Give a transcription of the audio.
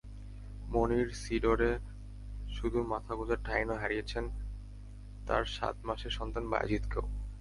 মনির সিডরে শুধু মাথা গোঁজার ঠাঁই নয়, হারিয়েছেন তাঁর সাত মাসের সন্তান বায়েজিদকেও।